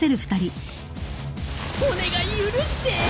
お願い許して！